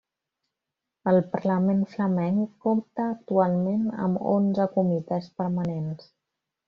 El Parlament Flamenc compta actualment amb onze comitès permanents.